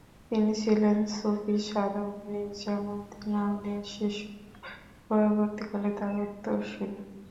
তিনি ছিলেন সুফি সাধক নিজামুদ্দিন আউলিয়ার শিষ্য, এবং পরবর্তীকালে তার উত্তরসূরি।